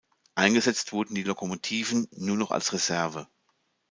Eingesetzt wurden die Lokomotiven nur noch als Reserve.